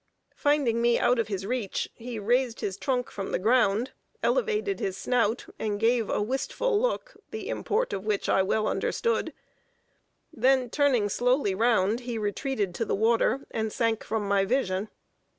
Finding me out of his reach, he raised his trunk from the ground, elevated his snout, and gave a wistful look, the import of which I well understood; then turning slowly round, he retreated to the water, and sank from my vision.